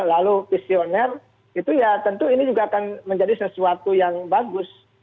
lalu visioner itu ya tentu ini juga akan menjadi sesuatu yang bagus